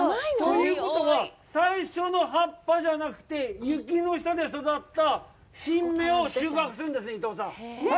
そういうことが、最初の葉っぱじゃなくて、雪の下で育った新芽を収穫するんですね、伊藤さん。